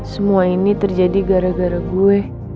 semua ini terjadi gara gara gue